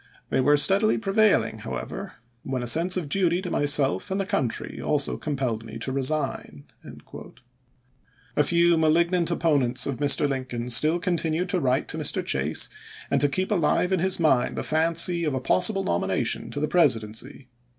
They were steadily prevailing, however, when a sense of duty to myself and the country pp.1627!m628. also compelled me to resign." A few malignant opponents of Mr. Lincoln still continued to write to Mr. Chase and keep alive in his mind the fancy of a possible nomination to the Presidency.